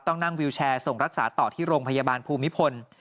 ต้องนั่งวิวแชร์ส่งรักษาต่อที่โรงพยาบาลภูมิพล